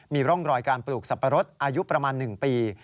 มีร่องรอยการปลูกสับปะรดอายุประมาณ๑ปี